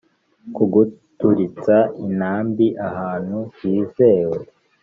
ku guturitsa intambi ahantu hizewe